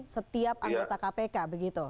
setiap anggota kpk begitu